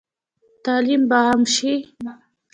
تعلیم به عام شي؟